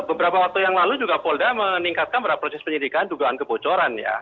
itu beberapa waktu yang lalu juga polda meningkatkan proses penyidikan jugaan kebocoran ya